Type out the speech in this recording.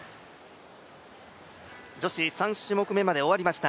女子、３種目めまで終わりました。